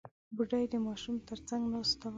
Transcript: بوډۍ د ماشوم تر څنګ ناسته وه.